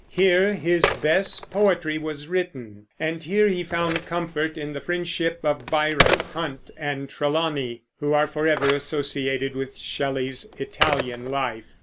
Here his best poetry was written, and here he found comfort in the friendship of Byron, Hunt, and Trelawney, who are forever associated with Shelley's Italian life.